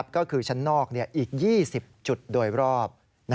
ก็คือชั้นนอกอีก๒๐จุดโดยรอบ